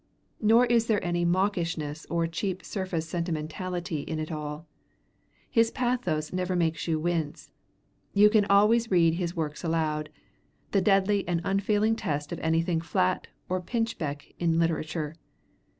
Nor is there any mawkishness or cheap surface sentimentality in it all. His pathos never makes you wince: you can always read his works aloud, the deadly and unfailing test of anything flat or pinchbeck in literature.